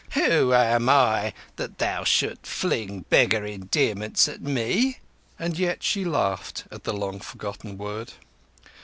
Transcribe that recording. Who am I that thou shouldst fling beggar endearments at me?" And yet she laughed at the long forgotten word.